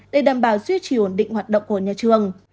để đảm bảo duy trì ổn định hoạt động của nhà trường